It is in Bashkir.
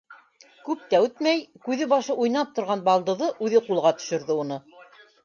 Күп тә үтмәй, күҙе-башы уйнап торған балдыҙы үҙе ҡулға төшөрҙө уны.